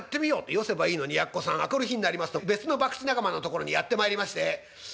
よせばいいのにやっこさん明くる日になりますと別の博打仲間のところにやってまいりまして。